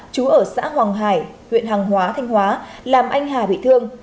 chú ở xã hoàng hải huyện hàng hóa thanh hóa làm anh hà bị thương